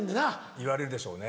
言われるでしょうね。